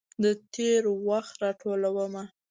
د تیروخت راټولومه